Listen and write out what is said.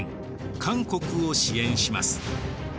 韓国を支援します。